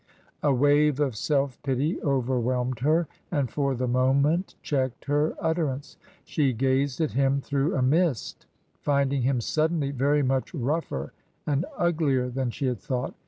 A wave of self pity overwhelmed her and for the mo ment checked her utterance. She gazed at him through a mist, finding him suddenly very much rougher and uglier than she had thought.